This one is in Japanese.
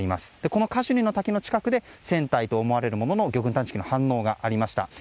このカシュニの滝の近くで船体と思われるものの魚群探知機の反応がありました。